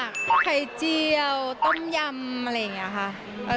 ไข่เจียวต้มยำอย่างนี้ครับ